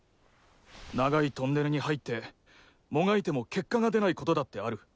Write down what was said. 長いトンネルに入ってもがいても結果が出ない事だってある。